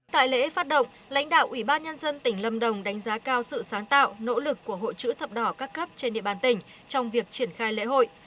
tại lễ phát động lãnh đạo ủy ban nhân dân tỉnh lâm đồng đánh giá cao sự sáng tạo nỗ lực của hội chữ thập đỏ các cấp trên địa bàn tỉnh trong việc triển khai lễ hội